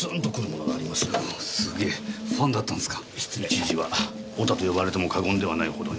一時は「ヲタ」と呼ばれても過言ではないほどに。